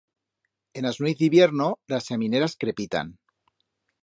En as nueiz d'hibierno ras chamineras crepitan.